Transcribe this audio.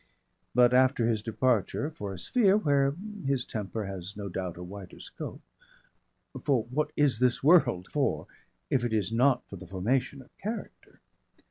But after his departure for a sphere where his temper has no doubt a wider scope for what is this world for if it is not for the Formation of Character?